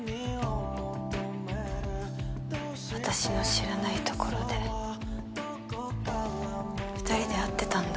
私の知らないところで２人で会ってたんだ。